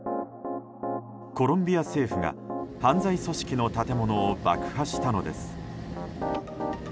コロンビア政府が、犯罪組織の建物を爆破したのです。